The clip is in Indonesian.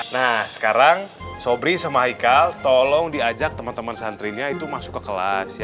nah sekarang sobri sama hikal tolong diajak teman teman santrinya itu masuk ke kelas